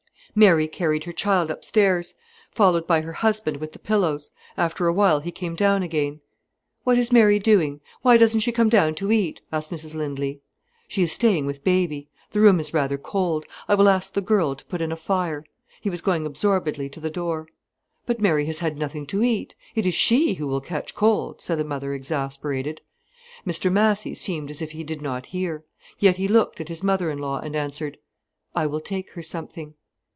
Mary carried her child upstairs, followed by her husband with the pillows. After a while he came down again. "What is Mary doing? Why doesn't she come down to eat?" asked Mrs Lindley. "She is staying with baby. The room is rather cold. I will ask the girl to put in a fire." He was going absorbedly to the door. "But Mary has had nothing to eat. It is she who will catch cold," said the mother, exasperated. Mr Massy seemed as if he did not hear. Yet he looked at his mother in law, and answered: "I will take her something."